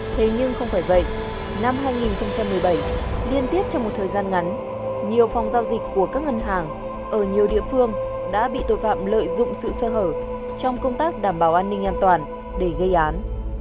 thế nhưng không phải vậy năm hai nghìn một mươi bảy liên tiếp trong một thời gian ngắn nhiều phòng giao dịch của các ngân hàng ở nhiều địa phương đã bị tội phạm lợi dụng sự sơ hở trong công tác đảm bảo an ninh an toàn để gây án